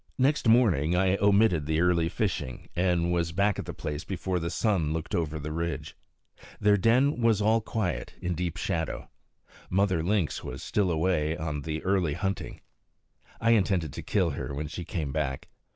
Next morning I omitted the early fishing, and was back at the place before the sun looked over the ridge. Their den was all quiet, in deep shadow. Mother Lynx was still away on the early hunting. I intended to kill her when she came back.